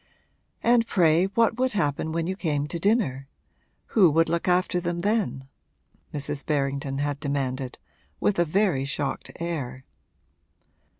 'And pray what would happen when you came to dinner? Who would look after them then?' Mrs. Berrington had demanded, with a very shocked air.